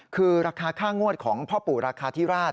คือราคาค่างวดของพ่อปู่ราคาธิราช